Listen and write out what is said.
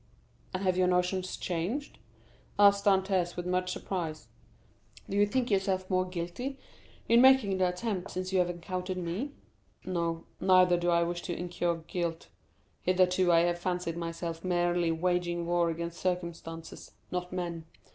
"And have your notions changed?" asked Dantès with much surprise; "do you think yourself more guilty in making the attempt since you have encountered me?" "No; neither do I wish to incur guilt. Hitherto I have fancied myself merely waging war against circumstances, not men.